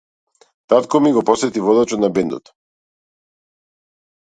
Татко ми го посети водачот на бендот.